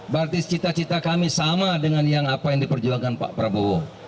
berarti cita cita kami sama dengan yang apa yang diperjuangkan pak prabowo